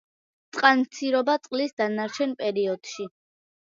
წყალმცირობა წლის დანარჩენ პერიოდში.